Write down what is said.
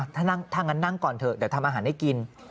ถ้างั้นนั่งก่อนเถอะเดี๋ยวทำอาหารให้กิน